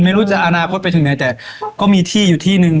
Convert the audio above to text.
ไม่รู้จะอนาคตไปถึงไหนแต่ก็มีที่อยู่ที่นึง